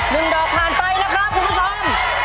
๑ดอกผ่านไปนะครับคุณผู้ชม